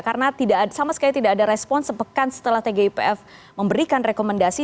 karena sama sekali tidak ada respon sepekan setelah tgipf memberikan rekomendasi